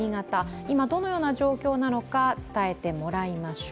今、どのような状況なのか伝えてもらいましょう。